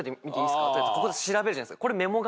ここで調べるじゃないですかこれ。